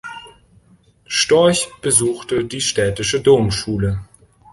Storch besuchte die städtische Domschule.